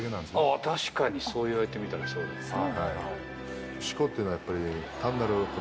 確かにそう言われてみたらそうですね。